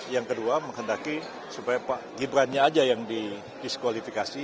yang kedua menghendaki supaya pak gibran nya aja yang didiskualifikasi